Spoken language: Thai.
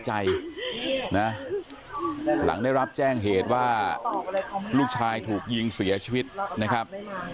หลังได้รับแจ้งเหตุว่าลูกชายถูกยิงเสียชีวิตนะครับ